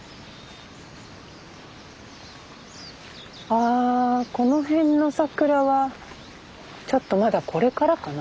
ああこの辺の桜はちょっとまだこれからかな？